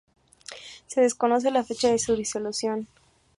Se desconoce la fecha de su disolución.